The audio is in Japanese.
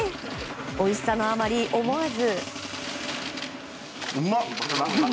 おいしさのあまり、思わず。